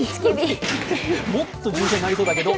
もっと重傷になりそうだけど。